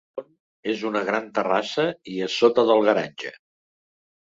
El segon, és una gran terrassa i a sota del garatge.